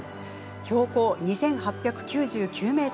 標高２８９９ｍ。